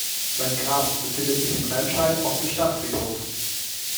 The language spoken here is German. Sein Grab befindet sich in Remscheid auf dem Stadtfriedhof.